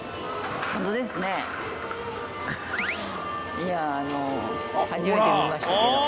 いやあの初めて見ましたけど。